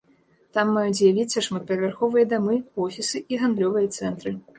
Там маюць з'явіцца шматпавярховыя дамы, офісы і гандлёвыя цэнтры.